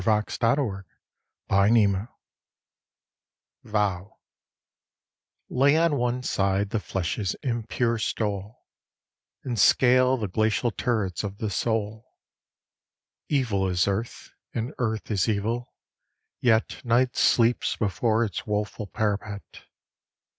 IN THE NET OF THE STARS Vow LAY on one side the flesh's impure stole, And scale the glacial turrets of the soul. Evil is earth and Earth is evil, yet Night sleeps before its woful parapet.